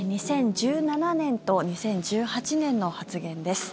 ２０１７年と２０１８年の発言です。